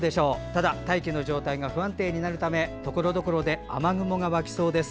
ただ、大気の状態が不安定になるためところどころで雨雲が湧きそうです。